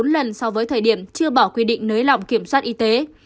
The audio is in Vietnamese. bốn lần so với thời điểm chưa bỏ quy định nới lỏng kiểm soát y tế